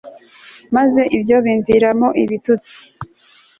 maze ibyo bimviramo ibituts.